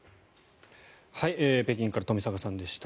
北京から冨坂さんでした。